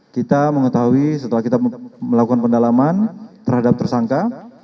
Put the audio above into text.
kita mengetahui setelah kita melakukan pendalaman terhadap tersangka